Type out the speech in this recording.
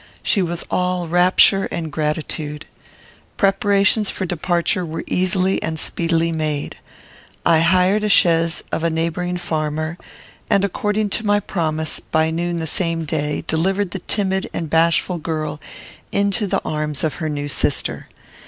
She was all rapture and gratitude. Preparations for departure were easily and speedily made. I hired a chaise of a neighbouring farmer, and, according to my promise, by noon the same day, delivered the timid and bashful girl into the arms of her new sister.